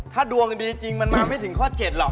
ถ้าดวงดีจริงมันมาไม่ถึงข้อ๗หรอก